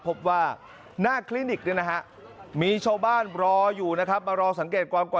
พบว่าน่าคลินิคเลยนะฮะมีช่วงบ้านรถอยู่นะครับมารอสังเกตกว่ากว่า